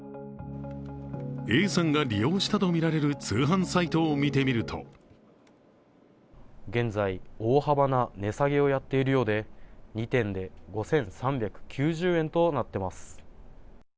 Ａさんが利用したとみられる通販サイトを見てみると現在、大幅な値下げをやっているようで、２点で５３９０円となっています。